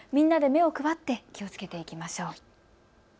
みんなで目を配って気をつけていきましょう。